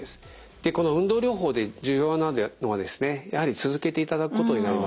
でこの運動療法で重要なのはですねやはり続けていただくことになります。